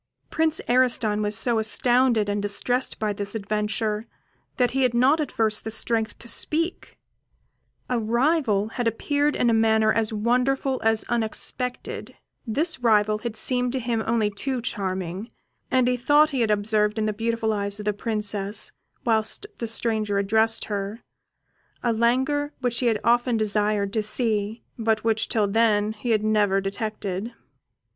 Prince Ariston was so astounded and distressed by this adventure, that he had not at first the strength to speak; a rival had appeared in a manner as wonderful as unexpected; this rival had seemed to him only too charming, and he thought he had observed in the beautiful eyes of the Princess, whilst the stranger addressed her, a languor which he had often desired to see, but which till then he had never detected.